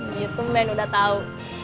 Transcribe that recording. gitu men udah tau